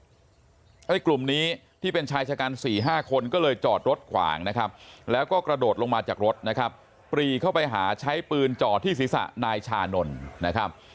กลุ่มนี้ที่เป็นชายชะกัน๔๕คนก็เลยจอดรถขวางนะครับแล้วก็กระโดดลงมาจากรถนะครับปรีเข้าไปหาใช้ปืนจ่อที่ศีรษะนายชานนท์นะครับ